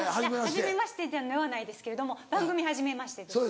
はじめましてではないですけども番組はじめましてです。